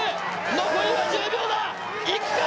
残りの１０秒だ、行くか。